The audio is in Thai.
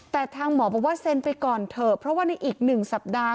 แต่ทางหมอบอกว่าเซ็นไปก่อนเถอะเพราะว่าในอีก๑สัปดาห์